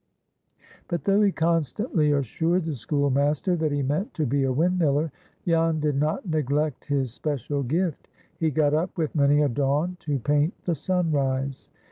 But, though he constantly assured the schoolmaster that he meant to be a windmiller, Jan did not neglect his special gift. He got up with many a dawn to paint the sunrise.